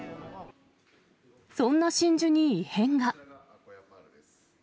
そんな真珠に異変が。